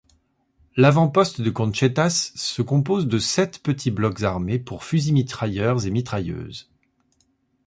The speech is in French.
L’avant-poste de Conchetas se compose de sept petits blocs armés pour fusils-mitrailleurs et mitrailleuses.